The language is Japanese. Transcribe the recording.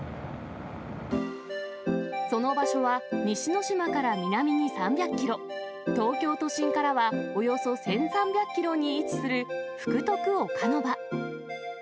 その場所は、西之島から南に３００キロ、東京都心からはおよそ１３００キロに位置する、福徳岡ノ場。